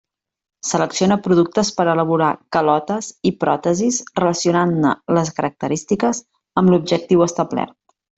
Selecciona productes per elaborar calotes i pròtesis relacionant-ne les característiques amb l'objectiu establert.